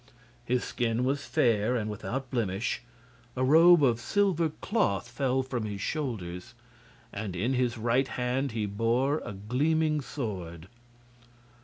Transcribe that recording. His skin was fair and without blemish, a robe of silver cloth fell from his shoulders, and in his right hand he bore a gleaming sword.